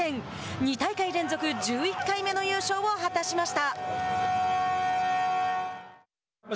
２大会連続１１回目の優勝を果たしました。